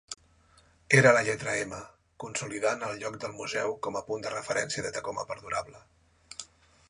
Era la lletra M, consolidant el lloc del museu com a punt de referència de Tacoma perdurable.